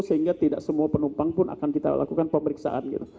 sehingga tidak semua penumpang pun akan kita lakukan pemeriksaan gitu